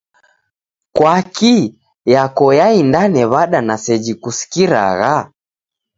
"Kwaki" yako yaindane w'ada na seji kusikiragha?